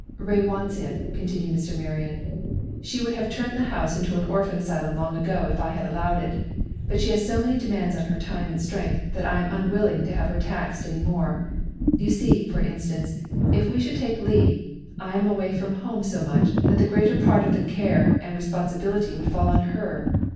"Ray wants him," continued Mr. Marion. "She would have turned the house into an orphan asylum long ago if I had allowed it. But she has so many demands on her time and strength that I am unwilling to have her taxed any more. You see, for instance, if we should take Lee, I am away from home so much, that the greater part of the care and responsibility would fall on her.